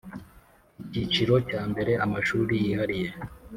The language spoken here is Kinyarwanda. Icyiciro cya mbere Amashuri yihariye